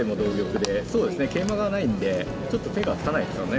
そうですね桂馬がないんでちょっと手がつかないですよね。